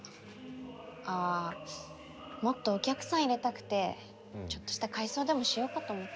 ああもっとお客さん入れたくてちょっとした改装でもしようかと思って。